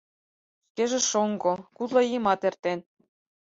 Шкеже шоҥго, кудло ийымат эртен.